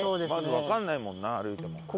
まずわかんないもんな歩いても。